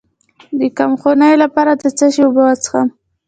د کمخونۍ لپاره د څه شي اوبه وڅښم؟